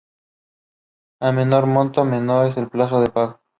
A menor monto, menor es el plazo de pago.